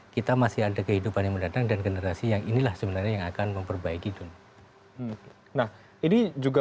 kita masih ada kehidupan yang mendatang dan generasi yang inilah sebenarnya yang akan memperbaiki dunia nah ini juga